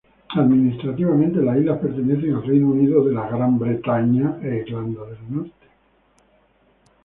Administrativamente, las islas pertenecen al Reino Unido de Gran Bretaña e Irlanda del Norte.